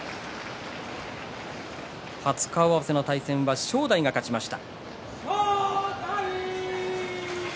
初顔合わせの対戦は正代が勝ちました。